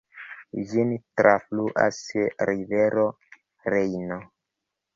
Ĝin trafluas rivero Rejno.